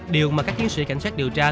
điều mà các thiên sĩ cảnh sát điều tra